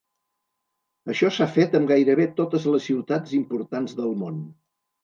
Això s'ha fet amb gairebé totes les ciutats importants del món.